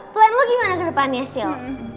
plan lo gimana ke depannya sil